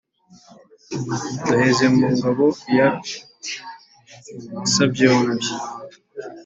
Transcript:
duheze mu ngabo ya sabyombyi